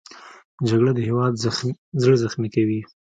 جګړه د هېواد زړه زخمي کوي